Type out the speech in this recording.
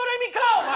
お前。